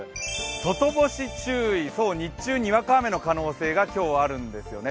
外干し注意、そう、日中、にわか雨の可能性が今日あるんですよね。